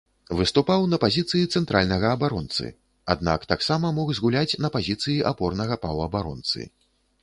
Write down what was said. Выступаў на пазіцыі цэнтральнага абаронцы, аднак, таксама, мог згуляць на пазіцыі апорнага паўабаронцы.